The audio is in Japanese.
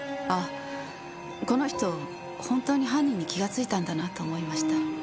ああこの人本当に犯人に気がついたんだなと思いました。